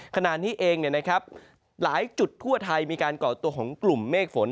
ขนาดนี้เองนะครับหลายจุดทั่วไทยมีการเกาะตัวของกลุ่มเมฆฝน